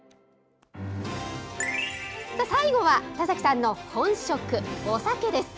最後は田崎さんの本職、お酒です。